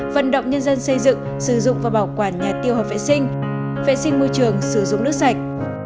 vận động nhân dân xây dựng sử dụng và bảo quản nhà tiêu hợp vệ sinh vệ sinh môi trường sử dụng nước sạch